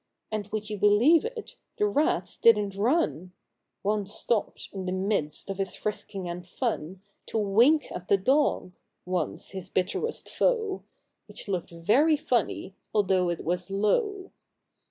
And, would you believe it, the rats didn't run ! One stopped, in the midst of his frisking and fun, To wink at the dog, — once his bitterest foe, — Which looked very funny, although it was low.